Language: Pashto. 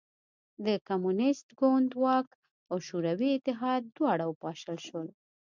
د کمونېست ګوند واک او شوروي اتحاد دواړه وپاشل شول